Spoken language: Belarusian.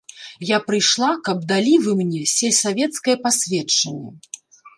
Я прыйшла, каб далі вы мне сельсавецкае пасведчанне.